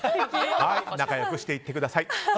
仲良くしていってください。